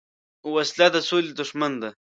وسله د سولې دښمن ده